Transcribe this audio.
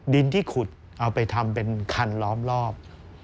ดินที่ขุดเอาไปทำเป็นคันล้อมรอบ